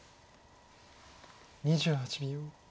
２８秒。